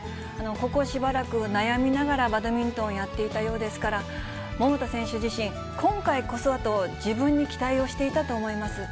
ここしばらく悩みながらバドミントンをやっていたようですから、桃田選手自身、今回こそはと自分に期待をしていたと思います。